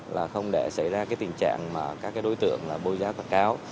là không để xảy ra tình trạng các đối tượng bôi giá quảng cáo